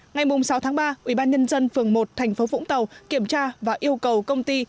ngày sáu tháng ba ủy ban nhân dân phường một thành phố vũng tàu kiểm tra và yêu cầu công ty